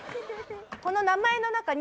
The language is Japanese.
この名前の中に。